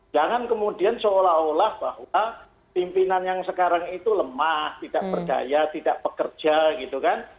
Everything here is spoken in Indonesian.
jangan kemudian seolah olah bahwa pimpinan yang sekarang itu lemah tidak percaya tidak bekerja gitu kan